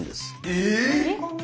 え